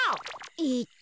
えっと。